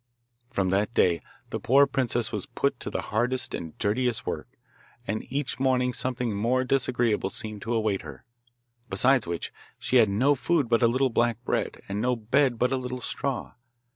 From that day the poor princess was put to the hardest and dirtiest work, and each morning something more disagreeable seemed to await her. Besides which, she had no food but a little black bread, and no bed but a little straw.